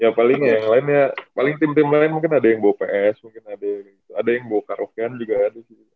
ya paling yang lain ya paling tim tim lain mungkin ada yang bawa ps mungkin ada yang bawa karaokean juga ada sih